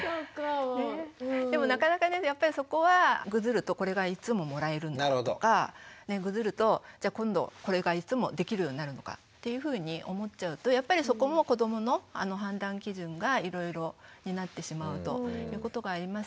でもなかなかねやっぱりそこは「ぐずるとこれがいつももらえるんだ」とか「ぐずると今度これがいつもできるようになるのか」っていうふうに思っちゃうとやっぱりそこも子どもの判断基準がいろいろになってしまうということがありますのでモノでは釣らない。